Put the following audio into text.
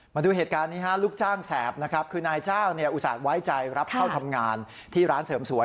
มาดูเหตุการณ์นี้ฮะลูกจ้างแสบนะครับคือนายจ้างเนี่ยอุตส่าห์ไว้ใจรับเข้าทำงานที่ร้านเสริมสวย